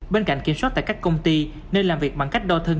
bên cạnh kiểm soát tại các công ty nên làm việc bằng cách đo thân